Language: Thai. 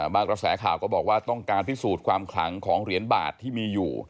กระแสข่าวก็บอกว่าต้องการพิสูจน์ความขลังของเหรียญบาทที่มีอยู่